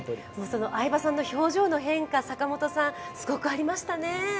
その相葉さんの表情の変化、坂本さん、すごくありましたね。